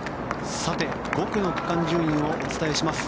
５区の区間順位をお伝えします。